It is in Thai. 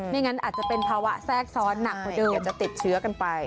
ไม่งั้นอาจจะเป็นภาวะแทรกซ้อนหนักกว่าเดิม